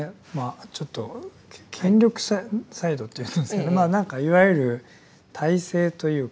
ちょっと権力者サイドというんですかいわゆる体制というか